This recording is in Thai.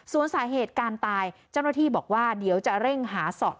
ส่วนสาเหตุการตายเจ้าหน้าที่บอกว่าเดี๋ยวจะเร่งหาสอบ